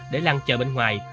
để lan chờ bên ngoài